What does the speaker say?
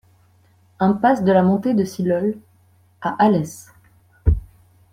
Impasse de la Montée de Silhol à Alès